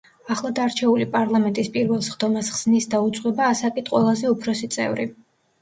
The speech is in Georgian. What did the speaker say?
ახლადარჩეული პარლამენტის პირველ სხდომას ხსნის და უძღვება ასაკით ყველაზე უფროსი წევრი.